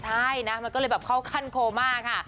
ใช่นะมันก็เลยแบบเข้าขั้นโคม่าค่ะ